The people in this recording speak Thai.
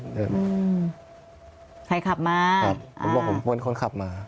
ผมบอกว่าผมเป็นคนขับมา